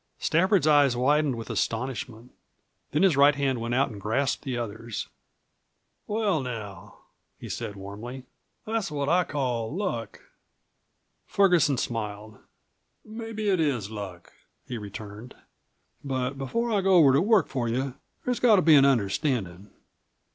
Stafford's eyes widened with astonishment. Then his right hand went out and grasped the other's. "Well, now," he said warmly, "that's what I call luck." Ferguson smiled. "Mebbe it's luck," he returned. "But before I go over to work for you there's got to be an understandin'.